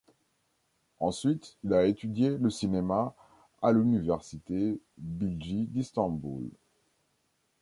Ensuite, il a étudié le cinéma à l'Université Bilgi d'Istanbul.